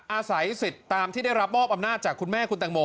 อาศัยสิทธิ์ตามที่ได้รับมอบอำนาจจากคุณแม่คุณตังโม